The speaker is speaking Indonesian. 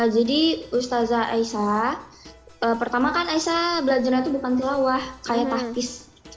jadi ustazah aisyah pertama kan aisyah belajarnya tuh bukan tilawah kayak tahfis